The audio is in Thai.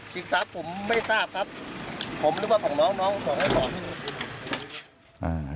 ชิงทรัพย์ผมไม่ทราบครับผมนึกว่าของน้องน้องบอกให้ผม